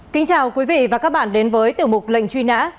kính chào quý vị và các bạn đến với tiểu mục lệnh truy nã